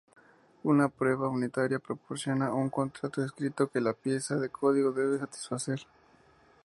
Una prueba unitaria proporciona un contrato escrito que la pieza de código debe satisfacer.